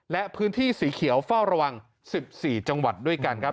และพื้นที่สีเขียวเฝ้าระวัง๑๔จังหวัดด้วยกันครับ